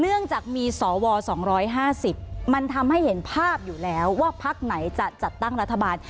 เนื่องจากมีสว๒๕๐มันทำให้เห็นภาพอยู่แล้วว่าพักไหนจะจัดตั้งรัฐบาล